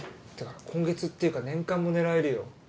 今月っていうか年間も狙えるよ。